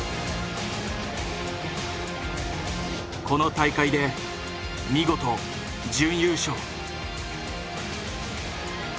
この大会で見事準優勝。